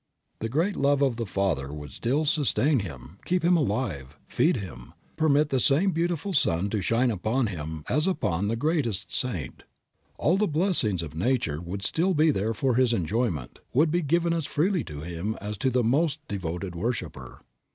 The great love of the Father would still sustain him, keep him alive, feed him, permit the same beautiful sun to shine upon him as upon the greatest saint. All the blessings of nature would still be there for his enjoyment, would be given as freely to him as to the most devoted worshiper.